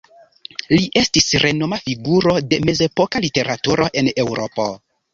Li estis renoma figuro de mezepoka literaturo en Eŭropo.